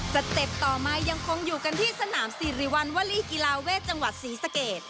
เต็ปต่อมายังคงอยู่กันที่สนามสิริวัณวลีกีฬาเวทจังหวัดศรีสเกต